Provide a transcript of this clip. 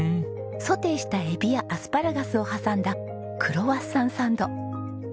ソテーしたエビやアスパラガスを挟んだクロワッサンサンド。